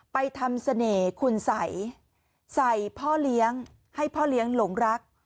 ไปทำเสน่ห์คุณสัยใส่พ่อเลี้ยงให้พ่อเลี้ยงหลงรัก